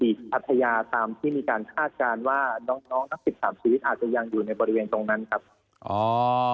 บีดภัทยาตามที่มีการทาสการว่าน้องทั้ง๑๓ชีวิตอาจจะยังอยู่ในบริเวณตรงนั้นครับ